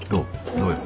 どうよ？